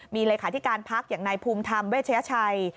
มีเลขาธิการพักอย่างนายภูมิธรรมเวชยชัย